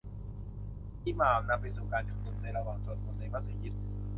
อิหม่ามนำไปสู่การชุมนุมในระหว่างสวดมนต์ในมัสยิด